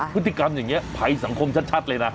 พฤติกรรมอย่างนี้ภัยสังคมชัดเลยนะ